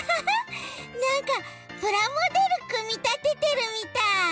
なんかプラモデルくみたててるみたい。